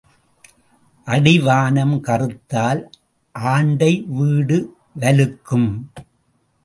அடிவானம் கறுத்தால் ஆண்டை வீடு வலுக்கும்.